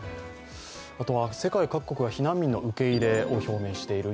あとは世界各国が避難民の受け入れを表明している。